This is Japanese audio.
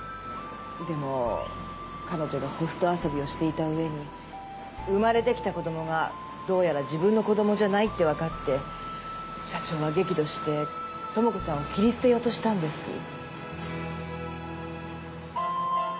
でも彼女がホスト遊びをしていたうえに生まれてきた子供がどうやら自分の子供じゃないってわかって社長は激怒して智子さんを切り捨てようとしたんです。